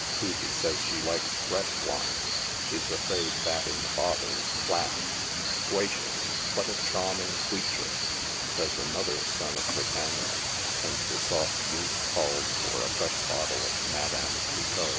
Hebe saya she likes fresh wine ; she's afraid that in the bottle's flat. " Gwacious ! what a chawming queature," says another son of Britannia, and the soft youth calls for a fresh bottle of " Madame Cliquot."